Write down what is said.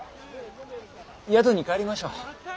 宿に帰りましょう。